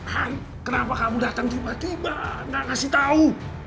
han kenapa kamu datang tiba tiba gak ngasih tahu